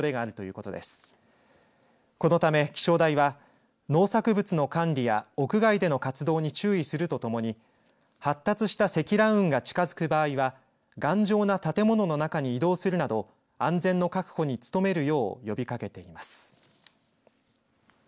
このため気象台は農作物の管理や屋外での活動に注意するとともに発達した積乱雲が近づく場合は頑丈な建物の中に移動するなど安全の確保に努めるよう呼びかけています。